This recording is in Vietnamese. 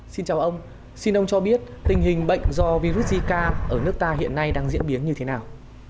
xin chào ông xin ông cho biết tình hình bệnh do virus zika ở nước ta hiện nay đang diễn biến như thế nào